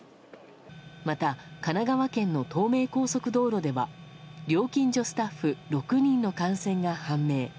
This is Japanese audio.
また神奈川県の東名高速道路では料金所スタッフ６人の感染が判明。